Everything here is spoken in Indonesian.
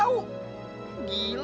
kayak mama aja diurut